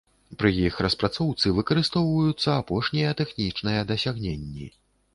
Пры іх распрацоўцы выкарыстоўваюцца апошнія тэхнічныя дасягненні.